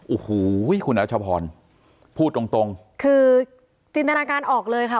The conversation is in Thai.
โอ้โหคุณรัชพรพูดตรงตรงคือจินตนาการออกเลยค่ะ